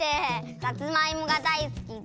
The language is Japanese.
さつまいもがだいすきで。